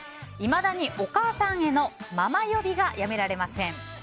いまだにお母さんへのママ呼びがやめられません。